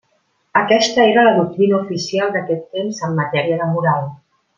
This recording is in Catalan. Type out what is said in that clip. Aquesta era la doctrina oficial d'aquest temps en matèria de moral.